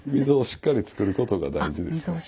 溝をしっかり作ることが大事です。